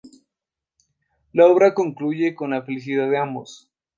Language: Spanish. La obra concluye con la felicidad de ambos.